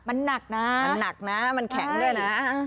มันหนักนะมันหนักนะมันแข็งด้วยนะ